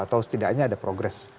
atau setidaknya ada progress